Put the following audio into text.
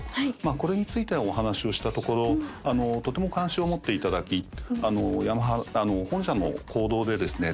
これについてのお話をしたところとても関心を持っていただきヤマハ本社の講堂でですね